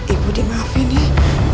ibu dimaafin nih